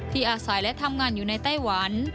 อาศัยและทำงานอยู่ในไต้หวัน